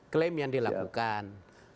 klaim yang dilakukan